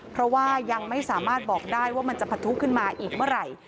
เพราะว่ายังไม่สามารถบอกได้ว่ามันจะผุขึ้นมาอีกเมื่อไหร่